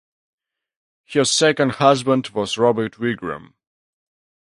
Her second husband was Robert Wigram.